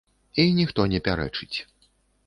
І ніхто не пярэчыць.